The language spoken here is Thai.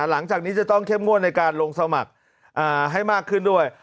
หลังจากนี้จะต้องเข้มงวดในการลงสมัครให้มากขึ้นด้วย